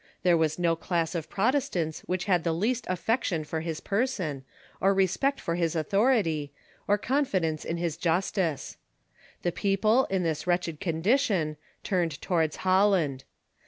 There was no class of Protestants which had the least affection for his })erson, or respect for his authority, or confidence in his jus ^'"iJ^^ ^"'' tice. The people, in this wretched condition, turned towards Holland.